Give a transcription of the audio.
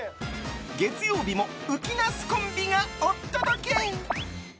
月曜日も、うきなすコンビがお届け！